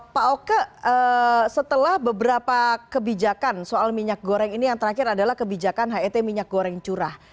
pak oke setelah beberapa kebijakan soal minyak goreng ini yang terakhir adalah kebijakan het minyak goreng curah